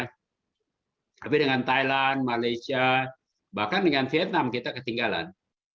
tapi dengan thailand malaysia bahkan dengan vietnam kita ketinggalan